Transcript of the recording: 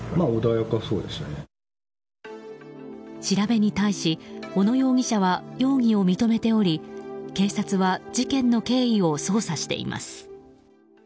調べに対し小野容疑者は容疑を認めており警察は事件の経緯を捜査しています。